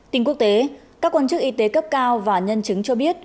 tin quốc tế các quan chức y tế cấp cao và nhân chứng cho biết